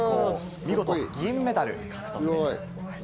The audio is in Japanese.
見事、銀メダルを獲得です。